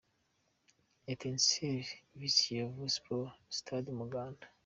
Etincelles vs Kiyovu Sports – Stade Umuganda.